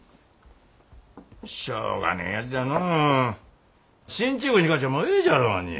しょうがねえやつじゃのう進駐軍に勝ちゃあもうええじゃろうに。